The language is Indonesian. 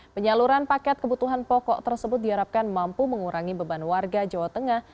penyaluran paket kebutuhan pokok tersebut diharapkan mampu mengurangi beban warga jawa tengah